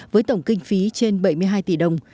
với tổng kinh phí trên bảy mươi hai tỷ đồng